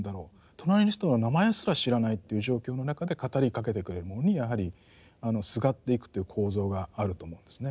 隣の人の名前すら知らないという状況の中で語りかけてくれるものにやはりすがっていくという構造があると思うんですね。